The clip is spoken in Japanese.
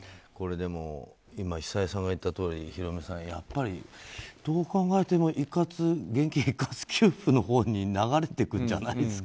今、久江さんが言ったとおりヒロミさん、どう考えても現金一括給付のほうに流れていくんじゃないんですか？